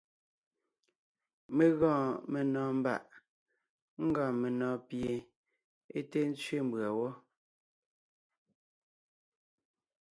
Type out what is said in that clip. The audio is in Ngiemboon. Mé gɔɔn menɔ̀ɔn mbàʼ ńgɔɔn menɔ̀ɔn pie é té tsẅé mbʉ̀a wɔ́.